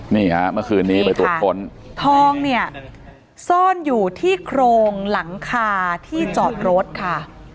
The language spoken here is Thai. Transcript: นี่ฮะเมื่อคืนนี้ไปตรวจค้นทองเนี่ยซ่อนอยู่ที่โครงหลังคาที่จอดรถค่ะ